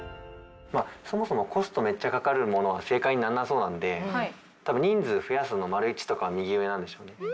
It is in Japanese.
まあそもそもコストめっちゃかかるものは正解になんなさそうなんで多分「人数増やす」の①とかは右上なんでしょうね。